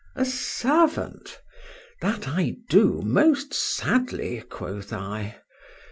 A servant! That I do most sadly, quoth I.